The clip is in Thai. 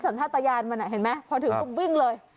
สันทะตะยานมันอ่ะเห็นไหมพอถึงก็วิ่งเลย